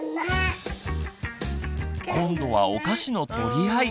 今度はお菓子の取り合い。